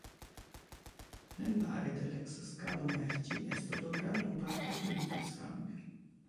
Nell'area dell'ex scalo merci è stato creato un parcheggio di interscambio.